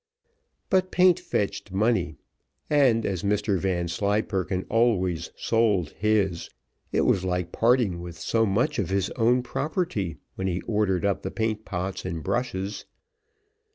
But paint fetched money, and as Mr Vanslyperken always sold his, it was like parting with so much of his own property, when he ordered up the paint pots and brushes.